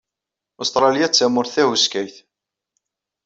Ustṛalya d tamurt tahuskayt.